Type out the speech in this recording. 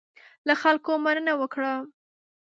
له خلکو مننه وکړه.